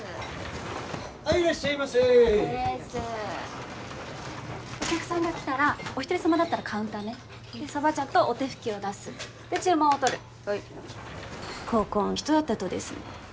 はいいらっしゃいませお客さんが来たらお一人様だったらカウンターねでそば茶とお手拭きを出すで注文をとるはいここん人やったとですね